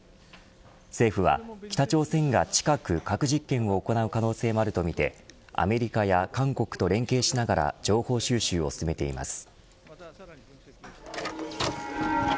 政府は北朝鮮が近く核実験を行う可能性があるとみてアメリカや韓国と連携しながら情報収集を進めています。